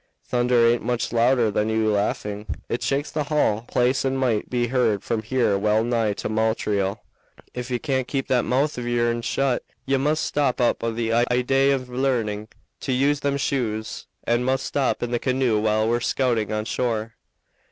Thunder aint much louder than you laughing it shakes the hull place and might be heard from here well nigh to Montreal. Ef you can't keep that mouth of your'n shut, ye must stop up the idée of learning to use them shoes and must stop in the canoe while we're scouting on shore."